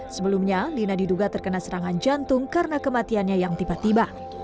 sebelumnya lina diduga terkena serangan jantung karena kematiannya yang tiba tiba